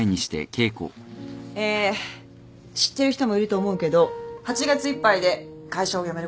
え知ってる人もいると思うけど８月いっぱいで会社を辞めることになりました。